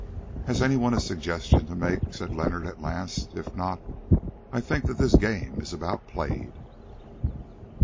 "Has anyone a suggestion to make?" said Leonard at last. "If not, I think that this game is about played."